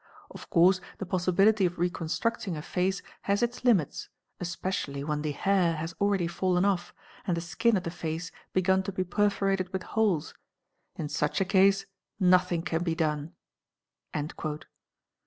Of course the pos sibility of reconstructing a face has its limits, especially when the hair has already fallen off and the skin of the face begun to be perforated with holes—in such a case nothing can be done."